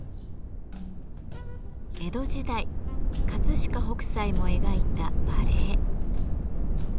江戸時代飾北斎も描いた馬鈴。